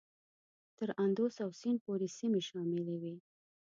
تر اندوس او سیند پورې سیمې شاملي وې.